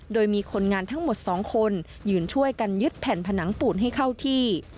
โดยมีคนงานทั้งหมด๒คนยืนช่วยกันยึดแผ่นผนังปูนให้เข้าที่